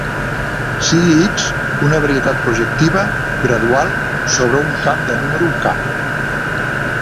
Sigui "X" una varietat projectiva gradual sobre un camp de número "K".